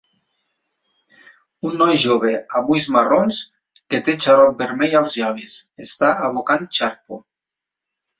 Un noi jove, amb ulls marrons, que té xarop vermell als llavis, està abocant xarpo.